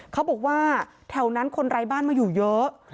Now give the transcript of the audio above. เขาบอกว่าแถวนั้นคนไร้บ้านมาอยู่เยอะ